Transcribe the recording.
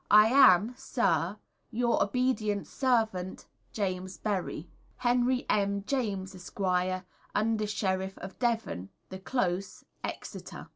I am, Sir, Your obedient Servant, JAMES BERRY. Henry M. James, Esq., Under Sheriff of Devon, The Close, Exeter.